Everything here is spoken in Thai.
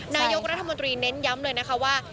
นายกรัฐมนตรีเน้นย้ำเลยนะคะว่า